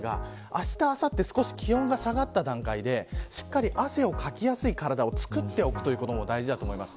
あした、あさって気温が下がった段階でしっかり汗をかきやすい体をつくっておくことも大事です。